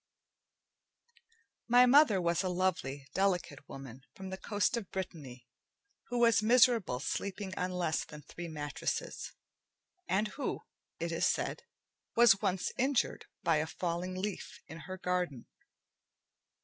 My mother was a lovely, delicate woman from the coast of Brittany, who was miserable sleeping on less than three mattresses, and who, it is said, was once injured by a falling leaf in her garden.